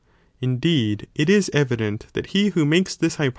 Indeed it is evident that he who makes this hypo CHAP.